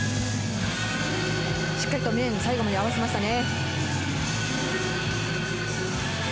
しっかりと面、最後まで合わせましたね。